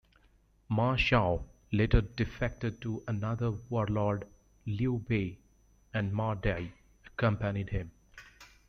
Ma Chao later defected to another warlord Liu Bei, and Ma Dai accompanied him.